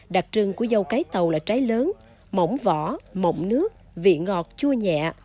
đặc trưng của dâu cái tàu là trái lớn mỏng vỏ mộng nước vị ngọt chua nhẹ